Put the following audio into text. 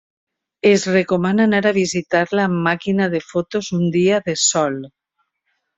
Es recomana anar a visitar-la amb màquina de fotos un dia de sol.